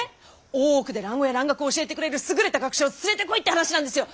大奥で蘭語や蘭学を教えてくれる優れた学者を連れてこいって話なんですよ！